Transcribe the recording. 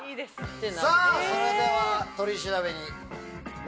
さぁそれでは取り調べに。